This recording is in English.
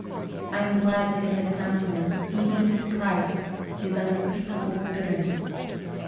I am glad that it has come to me, even if its price is unspeakable bitterness.